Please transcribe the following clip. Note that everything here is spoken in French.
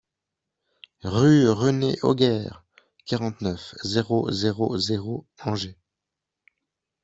RUE RENE OGER, quarante-neuf, zéro zéro zéro Angers